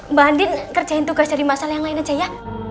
mba andin kerjain tugas dari mas al yang lain aja ya